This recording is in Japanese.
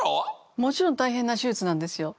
もちろん大変な手術なんですよ。